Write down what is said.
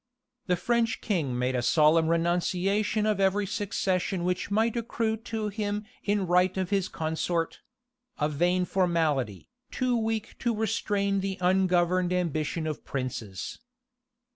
The French king made a solemn renunciation of every succession which might accrue to him in right of his consort; a vain formality, too weak to restrain the ungoverned ambition of princes.